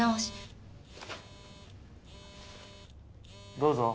どうぞ。